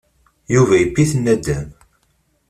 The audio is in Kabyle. Yuba yewwi-t nadam.